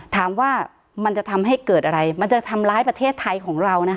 ถามว่ามันจะทำให้เกิดอะไรมันจะทำร้ายประเทศไทยของเรานะคะ